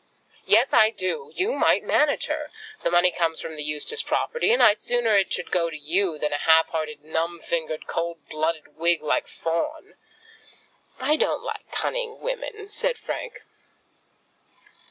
"Yes, I do. You might manage her. The money comes from the Eustace property, and I'd sooner it should go to you than a half hearted, numb fingered, cold blooded Whig, like Fawn." "I don't like cunning women," said Frank.